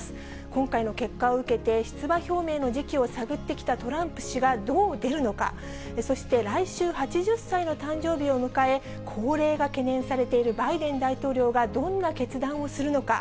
今回の結果を受けて、出馬表明の時期を探ってきたトランプ氏がどう出るのか、そして来週８０歳の誕生日を迎え、高齢が懸念されているバイデン大統領がどんな決断をするのか。